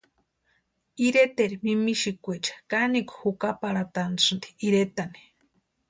Ireteri mimixikwaecha kanekwa jukaparhatasïnti iretani.